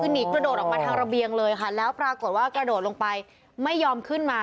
คือหนีกระโดดออกมาทางระเบียงเลยค่ะแล้วปรากฏว่ากระโดดลงไปไม่ยอมขึ้นมา